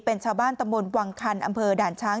เป็นชาวบ้านตำบลวังคันอำเภอด่านช้าง